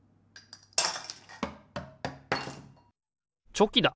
チョキだ！